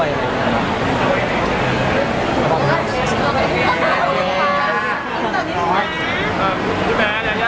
มีตัวนี้เป็นไม่แน่ละค่ะไม่มีเม้งนะครับ